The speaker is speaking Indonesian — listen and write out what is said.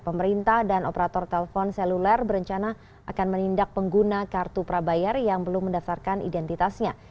pemerintah dan operator telpon seluler berencana akan menindak pengguna kartu prabayar yang belum mendaftarkan identitasnya